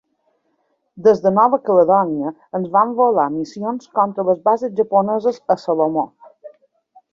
Des de Nova Caledònia es van volar missions contra les bases japoneses a Salomó.